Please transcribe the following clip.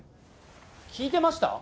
聞いてました？